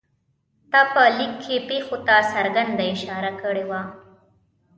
تا په لیک کې پېښو ته څرګنده اشاره کړې وه.